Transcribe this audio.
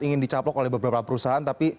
ingin dicaplok oleh beberapa perusahaan tapi